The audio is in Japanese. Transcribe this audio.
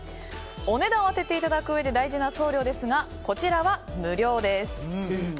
お値段を当てていただくうえで大事な送料ですがこちらは無料です。